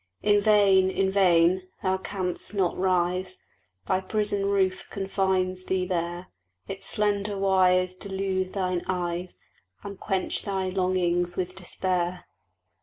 In vain in vain! Thou canst not rise: Thy prison roof confines thee there; Its slender wires delude thine eyes, And quench thy longings with despair.